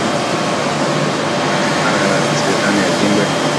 Shetani ashindwe